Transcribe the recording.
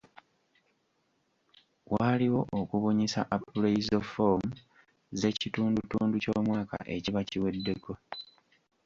Waaliwo okubunyisa appraisal ffoomu z’ekitundutundu ky’omwaka ekiba kiweddeko.